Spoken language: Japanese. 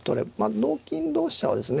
同金同飛車はですね